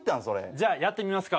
じゃあやってみますか。